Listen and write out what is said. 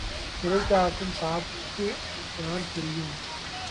சிறைகாக்கும் காப்பு எவன் செயும்?